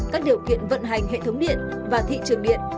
các điều kiện vận hành hệ thống điện và thị trường điện